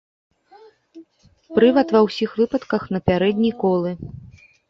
Прывад ва ўсіх выпадках на пярэдні колы.